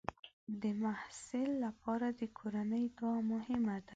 د محصل لپاره د کورنۍ دعا مهمه ده.